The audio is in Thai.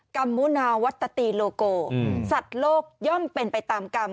กรรมมุนาวัตตีโลโกสัตว์โลกย่อมเป็นไปตามกรรม